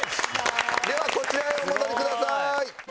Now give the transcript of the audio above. ではこちらへお戻りください。